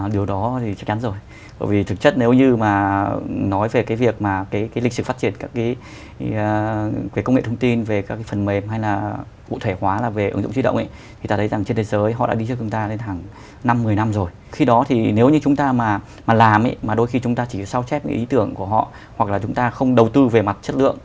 điều đó thì chắc chắn rồi bởi vì thực chất nếu như mà nói về cái việc mà cái lịch sử phát triển các cái công nghệ thông tin về các cái phần mềm hay là cụ thể hóa là về ứng dụng di động thì ta thấy rằng trên thế giới họ đã đi trước chúng ta lên hàng năm một mươi năm rồi